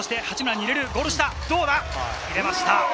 入れました。